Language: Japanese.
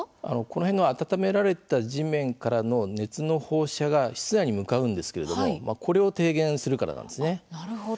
この辺の温められた地面からの熱の放射が室内に向かうんですけれどもこれを低減するからなんですね。